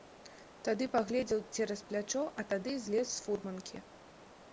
Тады паглядзеў цераз плячо, а тады злез з фурманкі.